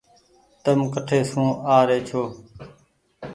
تم ڪٺي سون آ ري ڇو۔